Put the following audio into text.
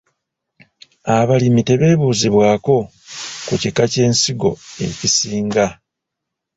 Abalimi tebeebuuzibwako ku kika ky'ensigo ekisinga.